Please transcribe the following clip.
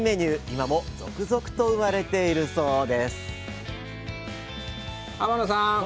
今も続々と生まれているそうです天野さん！